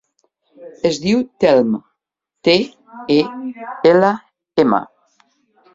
Es diu Telm: te, e, ela, ema.